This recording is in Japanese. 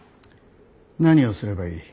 何をすればいい。